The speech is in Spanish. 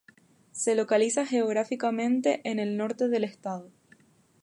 Se localiza geográficamente en el norte del estado.